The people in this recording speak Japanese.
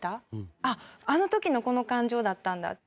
あっあの時のこの感情だったんだ。